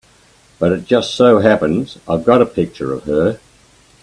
But it just so happens I've got a picture of her.